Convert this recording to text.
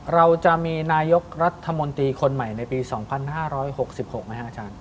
เราจะมีนายกรัฐมนตรีคนใหม่ในปี๒๕๖๖ไหมครับอาจารย์